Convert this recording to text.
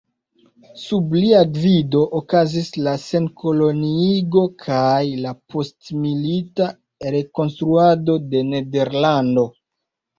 Sub lia gvido okazis la senkoloniigo kaj la postmilita rekonstruado de Nederlando.